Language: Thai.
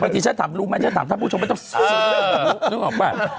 บางทีฉันถามรู้ไหมฉันถามผู้ชมไม่ต้องสู้